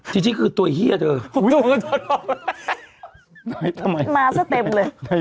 จีจี้คือไง